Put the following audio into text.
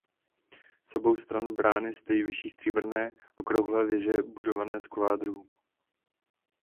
Z obou stran brány stojí vyšší stříbrné okrouhlé věže budované z kvádrů.